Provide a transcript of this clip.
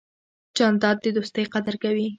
جانداد د دوستۍ قدر کوي.